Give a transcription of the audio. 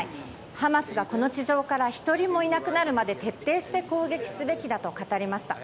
ハマスがこの地上から１人もいなくなるまで徹底して攻撃すべきだとしました。